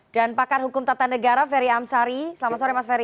dan pakar hukum tata negara ferry amsari selamat sore mas ferry